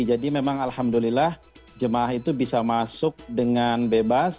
jadi memang alhamdulillah jamaah itu bisa masuk dengan bebas